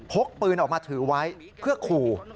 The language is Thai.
กปืนออกมาถือไว้เพื่อขู่